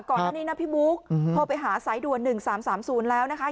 ก่อนหน้านี้นะพี่บุ๊กพอไปหาไซด์ดัวนหนึ่งสามสามศูนย์แล้วนะคะ